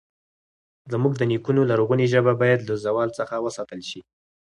زموږ د نیکونو لرغونې ژبه باید له زوال څخه وساتل شي.